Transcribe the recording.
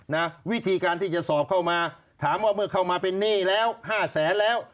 นะวิธีการที่จะสอบเข้ามาถามว่าเมื่อเข้ามาเป็นหนี้แล้วห้าแสนแล้ว